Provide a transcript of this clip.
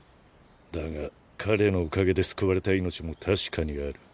だが彼のおかげで救われた命も確かにある。